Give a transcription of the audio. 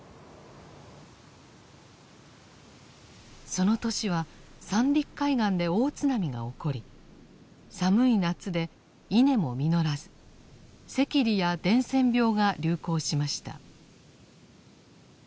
その年は三陸海岸で大津波が起こり寒い夏で稲も実らず赤痢や伝染病が流行しました。